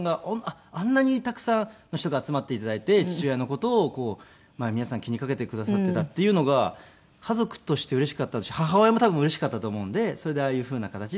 あんなにたくさんの人が集まって頂いて父親の事を皆さん気に掛けてくださっていたっていうのが家族としてうれしかったし母親も多分うれしかったと思うんでそれでああいうふうな形で。